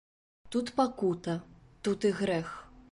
Тут пакута, тут і грэх!